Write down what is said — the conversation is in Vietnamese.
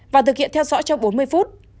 và thực hiện theo dõi trong bốn mươi phút